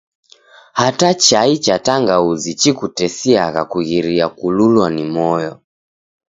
Hata chai cha tangauzi chikutesiagha kughiria kululwa ni moyo.